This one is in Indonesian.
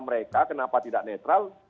mereka kenapa tidak netral